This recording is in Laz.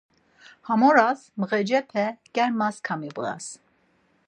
Ham oras ğecepe germas kamibğes.